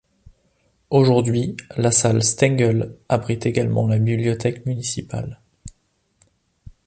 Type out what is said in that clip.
Aujourd’hui, la salle Stengel abrite également la bibliothèque municipale.